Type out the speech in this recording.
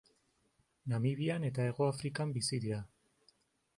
Namibia eta Hego Afrikan bizi dira.